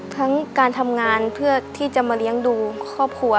ทั้งการทำงานเพื่อที่จะมาเลี้ยงดูครอบครัว